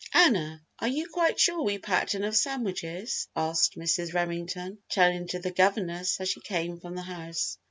"Anna, are you quite sure we packed enough sandwiches?" asked Mrs. Remington, turning to the governess as she came from the house.